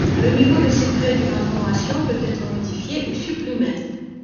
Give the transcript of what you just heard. Le niveau de secret d’une information peut être modifié ou supprimé.